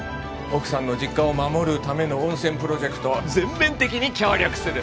奥さんの実家を守るための温泉プロジェクト全面的に協力する。